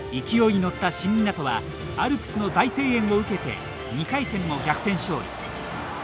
勢いに乗った新湊はアルプスの大声援を受けて２回戦も逆転勝利。